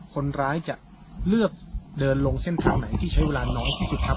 คนร้ายจะเลือกเดินลงเส้นทางไหนที่ใช้เวลาน้อยที่สุดครับ